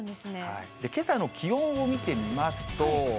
けさの気温を見てみますと。